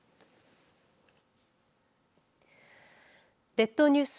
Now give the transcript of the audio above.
列島ニュース